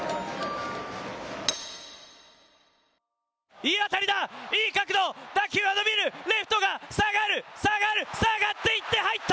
いい当たりだ、いい角度、打球は伸びる、レフトが下がる下がる下がっていって、入った！